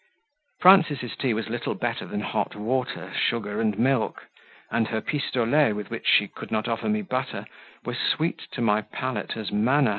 Frances' tea was little better than hot water, sugar, and milk; and her pistolets, with which she could not offer me butter, were sweet to my palate as manna.